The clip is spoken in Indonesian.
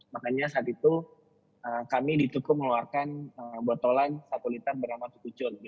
makanya saat itu kami di tuku mengeluarkan botolan satu liter bernama tukucun